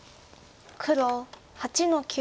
黒８の九。